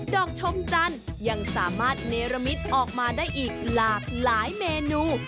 อกชมจันทร์ยังสามารถเนรมิตออกมาได้อีกหลากหลายเมนู